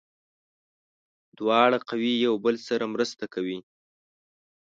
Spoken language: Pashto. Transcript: دواړه قوې یو بل سره مرسته کوي.